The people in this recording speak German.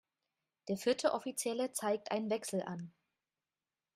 Der vierte Offizielle zeigt einen Wechsel an.